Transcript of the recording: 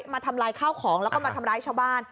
มาทำลายข้าวของแล้วก็มาทำร้ายชาวบ้าน